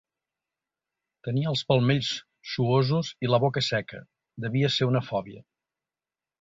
Tenia els palmells suosos i la boca seca; devia ser una fòbia.